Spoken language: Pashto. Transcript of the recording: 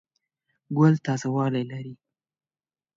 ګل تازه والی لري.